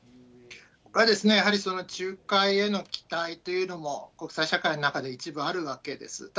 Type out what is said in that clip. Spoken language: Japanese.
これはやはり、仲介への期待というのも、国際社会の中で、一部あるわけです。